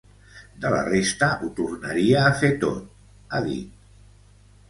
De la resta, ho tornaria a fer tot, ha dit.